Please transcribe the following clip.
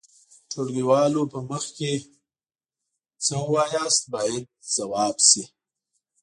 د ټولګيوالو په مخ کې څه ووایئ باید ځواب شي.